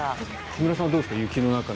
木村さんはどうですか？